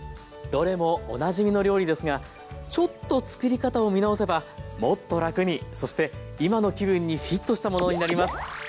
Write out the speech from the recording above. どれもおなじみの料理ですがちょっとつくり方を見直せばもっと楽にそして今の気分にフィットしたものになります。